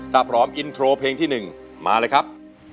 ตรับร้อมอินโทรเพลงที่หนึ่งมาเลยครับ